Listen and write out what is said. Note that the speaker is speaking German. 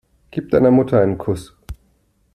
Gib deiner Mutter einen Kuss.